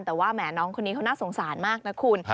แต่ว่าแหมน้องคนนี้เขาน่าสงสารมากนะคุณ